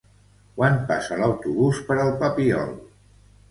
Quan passa l'autobús per el Papiol?